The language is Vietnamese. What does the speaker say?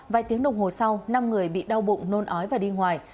vài tiếng đồng hồ sau năm người bị đau bụng nôn ói và đi ngoài